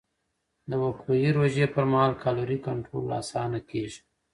د وقفهيي روژې پر مهال کالوري کنټرول اسانه کېږي.